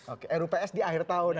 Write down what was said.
oke rups di akhir tahun